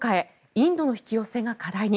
インドの引き寄せが課題に。